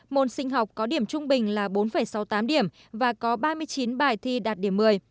môn sinh học có điểm trung bình là bốn sáu mươi tám điểm và có ba mươi chín bài thi đạt điểm một mươi